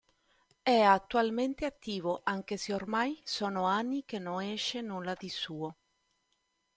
È attualmente attivo, anche se ormai sono anni che non esce nulla di suo.